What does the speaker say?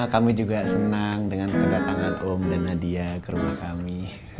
kami juga senang dengan kedatangan om dan nadia ke rumah kami